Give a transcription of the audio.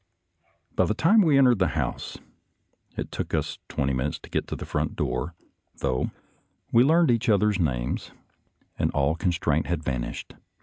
By the time we entered the house — it took us twenty minutes to get to the front door, though A FLIGHT TO ARMS 21T — we learned each other's name and all con straint had vanished.